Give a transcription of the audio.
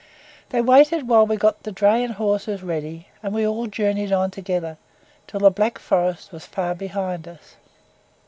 They waited whilst we got the dray and horses ready, and we all journeyed on together, till the Black Forest was far behind us.